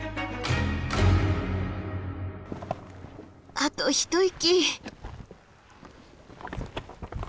あと一息。